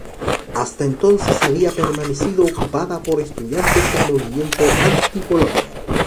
Hasta entonces había permanecido ocupada por estudiantes del movimiento anti-Bolonia.